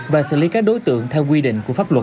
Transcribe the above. và xử lý các đối tượng theo quy định của pháp luật